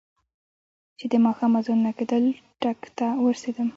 چې د ماښام اذانونه کېدل ټک ته ورسېدم.